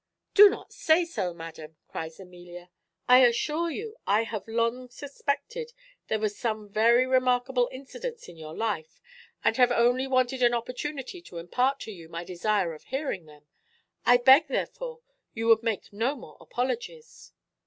"Do not say so, madam," cries Amelia; "I assure you I have long suspected there were some very remarkable incidents in your life, and have only wanted an opportunity to impart to you my desire of hearing them: I beg, therefore, you would make no more apologies."